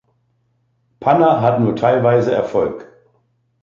Panna hat nur teilweise Erfolg.